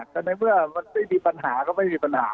แต่ในเมื่อมันไม่มีปัญหาก็ไม่มีปัญหา